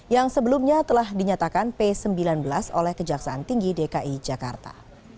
yang sebelumnya telah dinyatakan p sembilan belas oleh kejaksaan tinggi dki jakarta